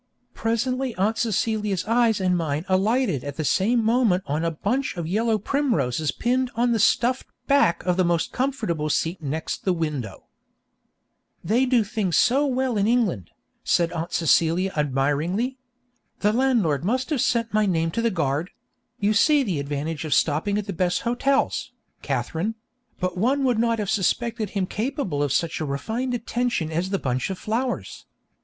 Presently Aunt Celia's eyes and mine alighted at the same moment on a bunch of yellow primroses pinned on the stuffed back of the most comfortable seat next the window. 'They do things so well in England,' said Aunt Celia admiringly. 'The landlord must have sent my name to the guard you see the advantage of stopping at the best hotels, Katharine but one would not have suspected him capable of such a refined attention as the bunch of flowers.